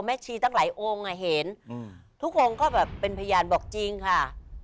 ชีตั้งหลายองค์อ่ะเห็นทุกองค์ก็แบบเป็นพยานบอกจริงค่ะ